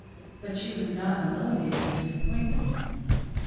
But she was not alone in her disappointment.